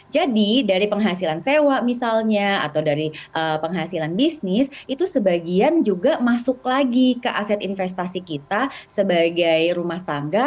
jadi dari penghasilan sewa misalnya atau dari penghasilan bisnis itu sebagian juga masuk lagi ke aset investasi kita sebagai rumah tangga